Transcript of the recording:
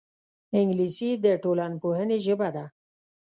انګلیسي د ټولنپوهنې ژبه ده